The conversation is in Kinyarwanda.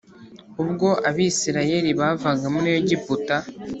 Ubwo Abisirayeli bavaga muri Egiputa